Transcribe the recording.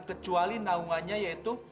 kecuali naungannya yaitu